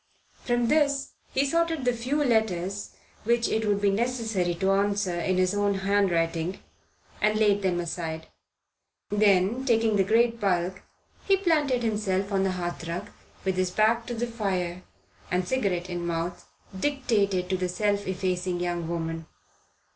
From this he sorted the few letters which it would be necessary to answer in his own handwriting, and laid them aside; then taking the great bulk, he planted himself on the hearthrug, with his back to the fire, and, cigarette in mouth, dictated to the self effacing young woman.